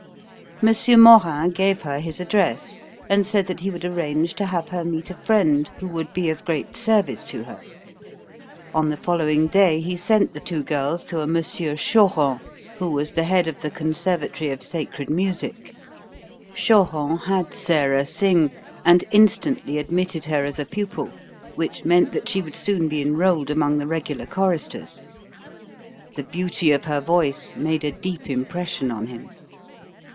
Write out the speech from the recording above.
M. Morin gave her his address and said that he would arrange to have her meet a friend who would be of great service to her. On the following day he sent the two girls to a M. Choron, who was the head of the Conservatory of Sacred Music. Choron had Sarah sing, and instantly admitted her as a pupil, which meant that she would soon be enrolled among the regular choristers. The beauty of her voice made a deep impression on him.